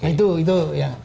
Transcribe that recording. itu itu ya